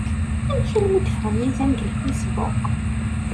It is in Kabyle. Amek armi d-ffɣen yizan deg Facebook?